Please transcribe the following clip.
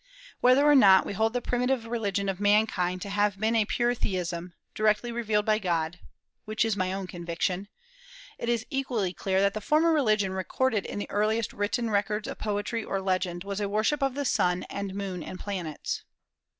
Whether or not we hold the primitive religion of mankind to have been a pure theism, directly revealed by God, which is my own conviction, it is equally clear that the form of religion recorded in the earliest written records of poetry or legend was a worship of the sun and moon and planets.